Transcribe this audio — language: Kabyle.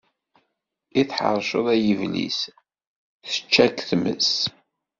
I tḥeṛceḍ ay Iblis, tečča-k tmes.